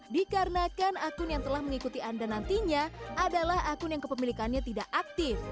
dikarenakan akun yang telah mengikuti anda nantinya adalah akun yang kepemilikannya tidak aktif